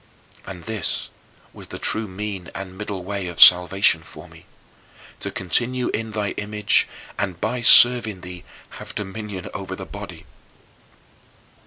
And this was the true mean and middle way of salvation for me, to continue in thy image and by serving thee have dominion over the body.